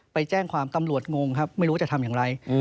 ไปแจ้งความตำรวจงงครับไม่รู้จะทำอย่างไร